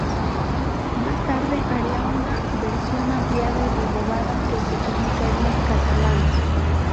Más tarde haría una versión ampliada y renovada que se publicaría en catalán.